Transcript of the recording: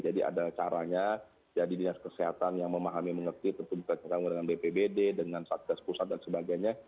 jadi ada caranya jadi dinas kesehatan yang memahami mengerti tentu juga dengan bpbd dengan satgas pusat dan sebagainya